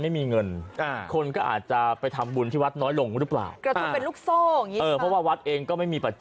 ไม่มีเงินไปบำรุงวัดต่างนานาอย่างนี้ครับ